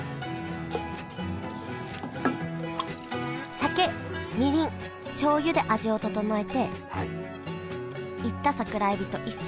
酒・みりん・しょうゆで味を調えて煎った桜えびと一緒に炊き込みます